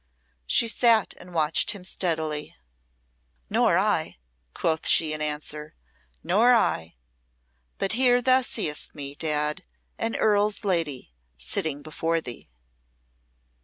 She sat and watched him steadily. "Nor I," quoth she, in answer. "Nor I but here thou seest me, Dad an earl's lady, sitting before thee."